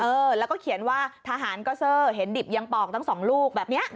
เออแล้วก็เขียนว่าทหารก็เซอร์เห็นดิบยังปอกทั้งสองลูกแบบนี้